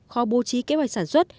khó bố trí kế hoạch sản xuất